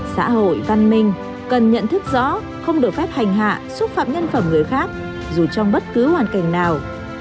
xã hội văn minh cần nhận thức rõ không được phép hành hạ xúc phạm nhân phẩm người khác dù trong bất cứ hoàn cảnh nào